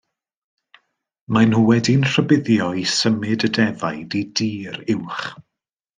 Maen nhw wedi'n rhybuddio i symud y defaid i dir uwch.